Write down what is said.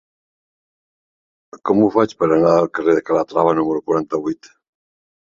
Com ho faig per anar al carrer de Calatrava número quaranta-vuit?